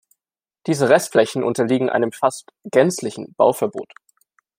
Diese Restflächen unterliegen einem fast gänzlichen Bauverbot.